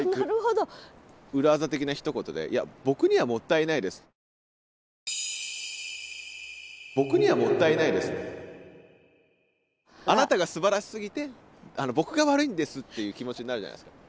裏技的なひと言であなたがすばらしすぎて僕が悪いんですっていう気持ちになるじゃないですか。